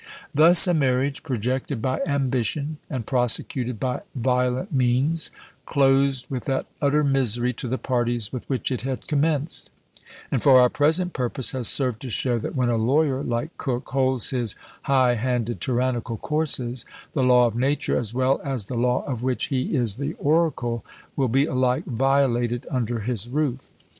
Thus a marriage, projected by ambition, and prosecuted by violent means, closed with that utter misery to the parties with which it had commenced; and for our present purpose has served to show, that when a lawyer like Coke holds his "high handed tyrannical courses," the law of nature, as well as the law of which he is "the oracle," will be alike violated under his roof.